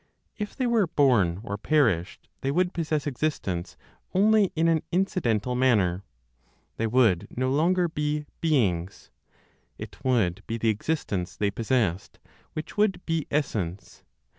If they were born, or perished, they would possess existence only in an incidental manner, they would no longer be beings; it would be the existence they possessed which would be essence.